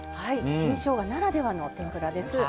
新しょうがならではの天ぷらです。